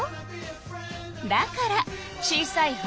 だから小さい針